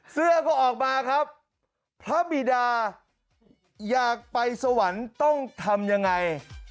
เสื้อก็ออกมาครับพระบิดาอยากไปสวรรค์ต้องทำยังไง